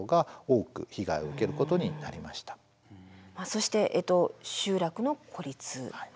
そして集落の孤立。